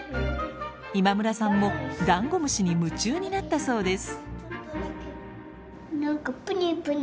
今村さんもダンゴムシに夢中になったそうです。